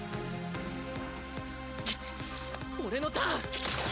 くっ俺のターン！